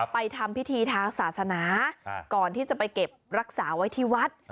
ทำพิธีทางศาสนาก่อนที่จะไปเก็บรักษาไว้ที่วัด